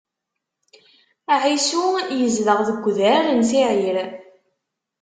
Ɛisu yezdeɣ deg udrar n Siɛir.